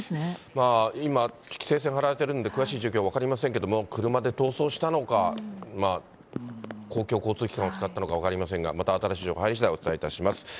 まあ今、規制線張られてるんで、詳しい状況、分かりませんけれども、車で逃走したのか、公共交通機関を使ったのか分かりませんが、また新しい情報が入りしだい、お伝えします。